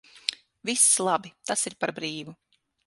Viss labi, tas ir par brīvu.